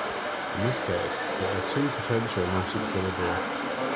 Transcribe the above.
In this case there are two potential Nash equilibria.